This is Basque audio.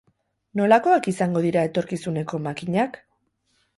Nolakoak izango dira etorkizuneko makinak?